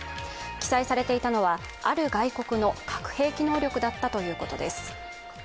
記載されていたのは、ある外国の核兵器能力だったということです。